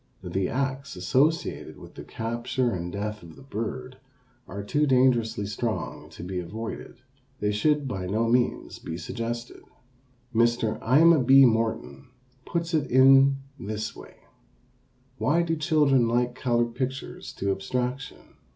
The acts associated with the capture and death of the bird are too dangerously strong to be avoided. They should by no means be suggested. Mr. Aima B. Morton puts it in this way: Why do children like colored pictures to abstraction?